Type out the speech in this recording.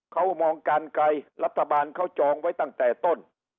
เขามองการไกลรัฐบาลเขาจองไว้ตั้งแต่ต้น